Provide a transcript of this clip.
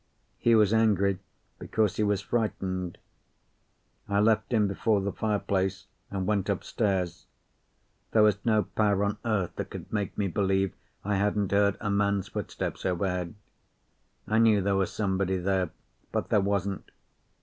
He was angry because he was frightened. I left him before the fireplace, and went upstairs. There was no power on earth that could make me believe I hadn't heard a man's footsteps overhead. I knew there was somebody there. But there wasn't.